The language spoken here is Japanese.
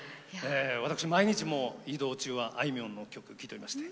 私毎日移動中はあいみょんの曲聴いておりまして。